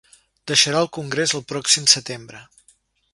Deixarà al congrés el pròxim setembre.